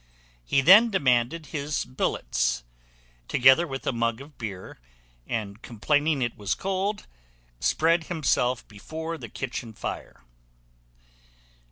He then demanded his billets, together with a mug of beer, and complaining it was cold, spread himself before the kitchen fire.